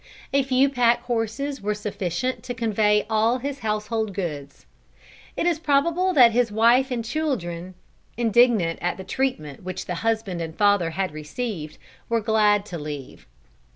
A few pack horses were sufficient to convey all his household goods. It is probable that his wife and children, indignant at the treatment which the husband and father had received, were glad to leave.